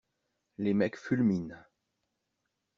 Les mecs fulminent.